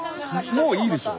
もういいでしょう？